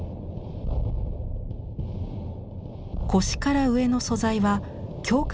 腰から上の素材は強化